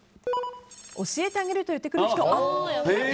教えてあげる！と言ってくる人。